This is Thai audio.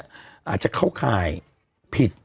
อาจจะเข้าข่ายผิด